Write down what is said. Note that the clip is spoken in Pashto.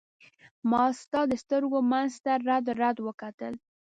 ما ستا د سترګو منځ ته رډ رډ وکتل.